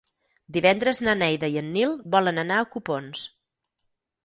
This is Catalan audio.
Divendres na Neida i en Nil volen anar a Copons.